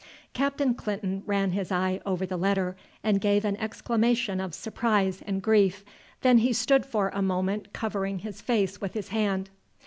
Captain Clinton ran his eye over the letter and gave an exclamation of surprise and grief, then he stood for a minute covering his face with his hand.